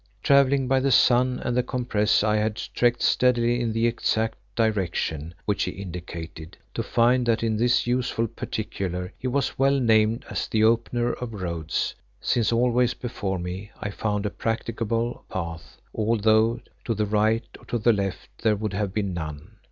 Travelling by the sun and the compass I had trekked steadily in the exact direction which he indicated, to find that in this useful particular he was well named the "Opener of Roads," since always before me I found a practicable path, although to the right or to the left there would have been none.